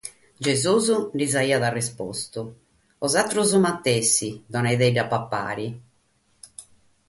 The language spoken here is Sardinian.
Gesùs ddis aiat respòndidu: «Bois matessi donade·ddi a mandigare».